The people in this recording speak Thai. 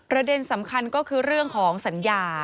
เด็นสำคัญก็คือเรื่องของสัญญา